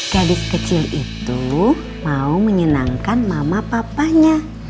gadis kecil itu mau menyenangkan mama papanya